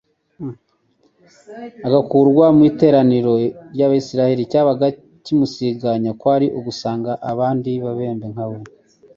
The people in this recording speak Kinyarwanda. agakurwa mu iteraniro ry'abisiraeli; icyabaga kimusiganye kwari ugusanga abandi babembe nka we.